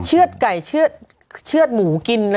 เชือดไก่เชื่อดหมูกิน